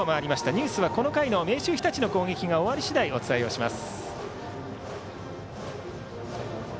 ニュースはこの回の明秀日立の攻撃が終わり次第お伝えをします。